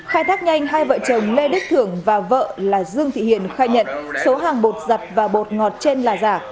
khai thác nhanh hai vợ chồng lê đức thưởng và vợ là dương thị hiền khai nhận số hàng bột giặt và bột ngọt trên là giả